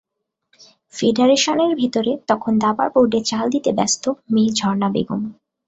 ফেডারেশনের ভেতরে তখন দাবার বোর্ডে চাল দিতে ব্যস্ত মেয়ে ঝরণা বেগম।